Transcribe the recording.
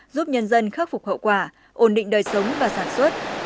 giúp nhân dân khắc phục hậu quả ổn định đời sống và sản xuất